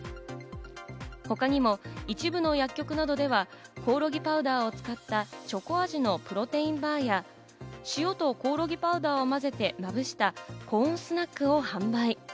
他にも一部の薬局などでは、コオロギパウダーを使ったチョコ味のプロテインバーや、塩とコオロギパウダーを混ぜて、まぶしたコーンスナックを販売。